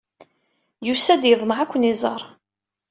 Yusa-d, yeḍmeɛ ad ken-iẓer.